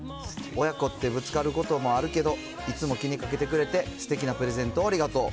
親子ってぶつかることもあるけど、いつも気にかけてくれて、すてきなプレゼントをありがとう。